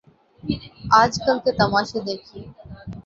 آج کل کے تماشے دیکھیے۔